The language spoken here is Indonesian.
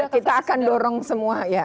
kita akan dorong semua ya